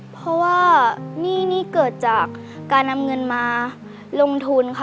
เพราะว่าหนี้นี่เกิดจากการนำเงินมาลงทุนค่ะ